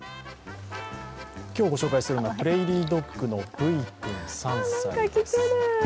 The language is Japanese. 今日ご紹介するのはプレーリードッグのブイ君、３歳。